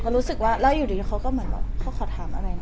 รู้สึกว่าอยู่ดีเขาก็มาขอถามอะไรหน่อย